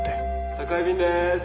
宅配便です。